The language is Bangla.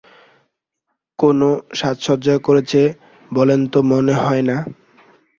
কোনো সাজসজ্জা করেছে বলেতো মনে হয় না।